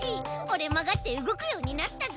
おれまがってうごくようになったぞ！